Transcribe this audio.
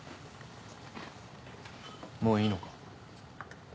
もういいのか？